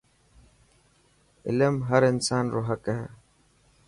علم هر انسان رو حق هي.